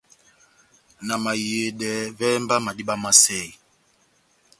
Na mahiyedɛ, vɛ́hɛ mba madíma má sɛyi !